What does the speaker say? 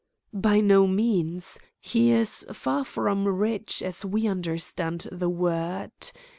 "By no means. He is far from rich as we understand the word.